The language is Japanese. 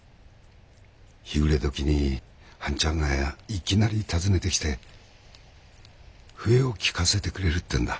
日暮れ時に半ちゃんがいきなり訪ねてきて笛を聴かせてくれるって言うんだ。